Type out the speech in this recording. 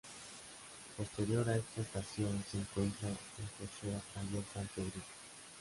Posterior a esta estación se encuentra la Cochera-Taller San Pedrito.